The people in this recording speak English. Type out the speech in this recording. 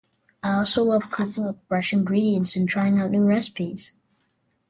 I also love cooking with fresh ingredients and trying out new recipes.